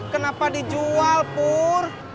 kenapa dijual pur